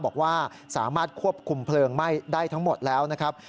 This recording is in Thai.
บอกว่าสามารถควบคุมเพลิงไหม้ได้ทั้งหมดแล้วนะครับ